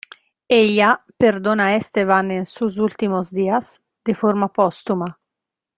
Ella perdona a Esteban en sus últimos días, de forma póstuma.